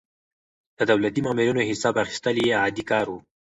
د دولتي مامورينو حساب اخيستل يې عادي کار و.